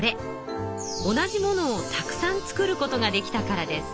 同じものをたくさん作ることができたからです。